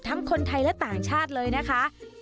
คนไทยและต่างชาติเลยนะคะ